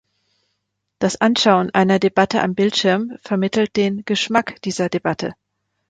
Das Anschauen einer Debatte am Bildschirm vermittelt den "Geschmack" dieser Debatte.